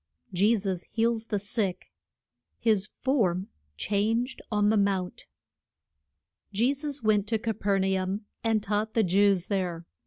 JESUS HEALS THE SICK. HIS FORM CHANGED ON THE MOUNT. JE SUS went to Ca per na um and taught the Jews there.